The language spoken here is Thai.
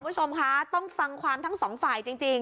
คุณผู้ชมคะต้องฟังความทั้งสองฝ่ายจริง